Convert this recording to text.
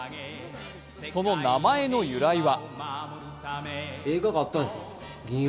その名前の由来は？